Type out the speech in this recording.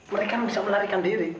mereka bisa melarikan diri